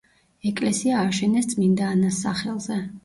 ეკლესია ააშენეს წმინდა ანას სახელზე.